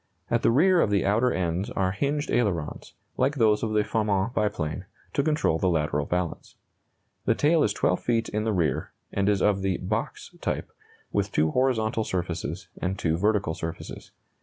At the rear of the outer ends are hinged ailerons, like those of the Farman biplane, to control the lateral balance. The tail is 12 feet in the rear, and is of the "box" type, with two horizontal surfaces and two vertical surfaces.